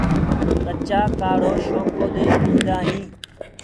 ٻچآ ڪآڙهو شوڪو دي پيندآ هينٚ۔